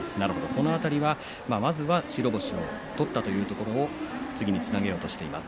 この辺りはまずは白星を取ったというところも次につなげようとしています。